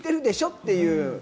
っていう。